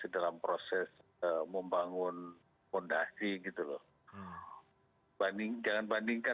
dorongan dan juga